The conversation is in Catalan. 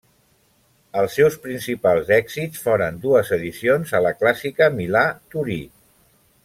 Els seus principals èxits foren dues edicions a la clàssica Milà-Torí.